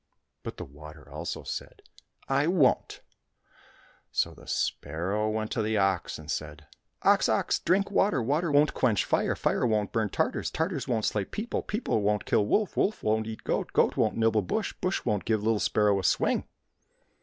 — But the water also said, " I won't !" So the sparrow went to the ox and said, " Ox, ox, drink water, water won't quench fire, fire won't burn Tartars, Tartars won't slay people, people won't kill wolf, wolf won't eat goat, goat won't nibble bush, bush won't give little sparrow a swing."